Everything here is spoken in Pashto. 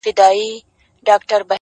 اوس د چا پر پلونو پل نږدم بېرېږم؛